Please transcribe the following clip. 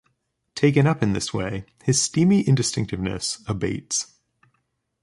Taken up in this way, his steamy indistinctness abates.